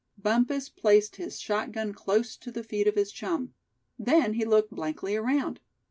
Bumpus placed his shotgun close to the feet of his chum. Then he looked blankly around.